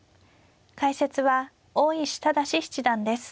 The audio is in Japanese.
解説は大石直嗣七段です。